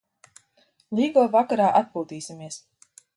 Līgo vakarā atpūtīsimies.